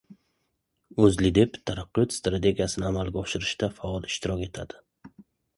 O‘zLiDeP Taraqqiyot strategiyasini amalga oshirishda faol ishtirok etadi